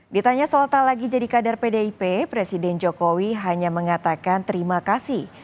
ditanya soal tak lagi jadi kader pdip presiden jokowi hanya mengatakan terima kasih